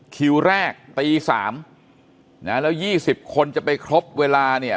คิวแรกตีสามนะฮะแล้วยี่สิบคนจะไปครบเวลาเนี่ย